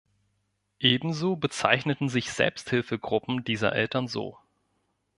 Ebenso bezeichneten sich Selbsthilfegruppen dieser Eltern so.